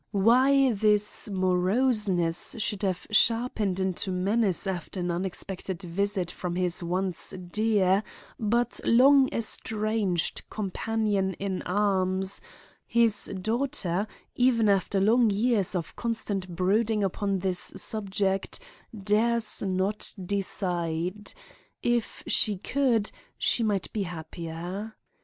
"Why this moroseness should have sharpened into menace after an unexpected visit from his once dear, but long estranged companion in arms, his daughter, even after long years of constant brooding upon this subject, dares not decide. If she could she might be happier.